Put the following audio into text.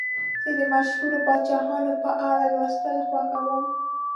زه د مشهورو پاچاهانو په اړه لوستل خوښوم.